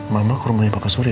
mama ke rumahnya bapak surya